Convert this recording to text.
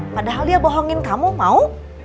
padahal dia bohongin kamu mau